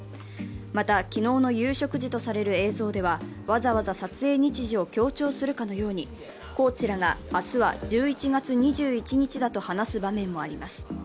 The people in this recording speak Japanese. また、昨日の夕食時とされる映像では、わざわざ撮影日時を強調するかのようにコーチらが明日は１１月２１日だと話す場面もあります。